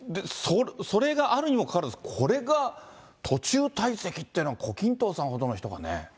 それがあるにもかかわらず、これが途中退席っていうのは、胡錦涛さんほどの人がね。